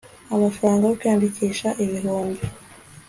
amafaranga yo kwiyandikisha ibihumbi